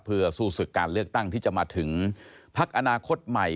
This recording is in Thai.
เพื่อสู้ศึกการเลือกตั้งที่จะมาถึงพักอนาคตใหม่